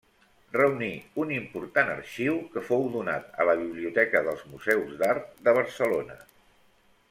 Reuní un important arxiu que fou donat a la Biblioteca dels Museus d’Art de Barcelona.